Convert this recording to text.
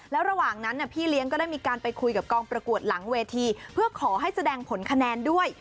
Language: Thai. แล้วระหว่างนั้นพี่เลี้ยงก็ได้มีการไปคุยกับกองประกวดหลังเวทีเพื่อขอให้แสดงผลคะแนนด้วย